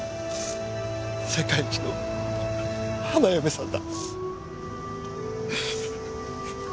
世界一の花嫁さんだ。